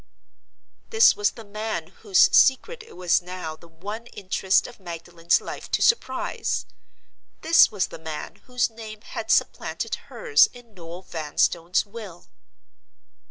This was the man whose secret it was now the one interest of Magdalen's life to surprise! This was the man whose name had supplanted hers in Noel Vanstone's will!